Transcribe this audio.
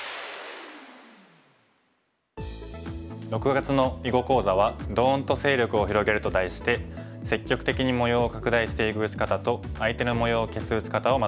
６月の囲碁講座は「ドーンと勢力を広げる」と題して積極的に模様を拡大していく打ち方と相手の模様を消す打ち方を学びます。